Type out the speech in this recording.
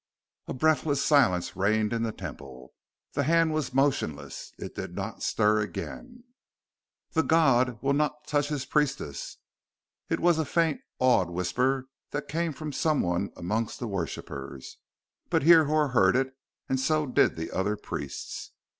A breathless silence reigned in the Temple. The hand was motionless. It did not stir again. "The God will not touch his priestess!" It was a faint, awed whisper that came from someone amongst the worshippers. But Hrihor heard it, and so did the other priests.